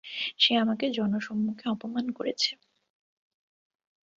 সে আমাকে জনসম্মুখে অপমান করেছে!